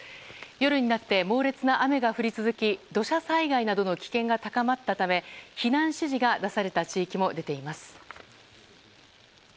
夜になって猛烈な雨が降り続き土砂災害などの危険が高まったため避難指示が出された地域も出ています。